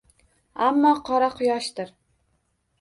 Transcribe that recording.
Ammo — Qora quyoshdir!